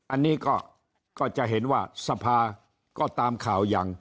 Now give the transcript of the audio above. อันนี้ก็ก็จะเห็นว่าทรัพย์ก็ตามข่าวยัง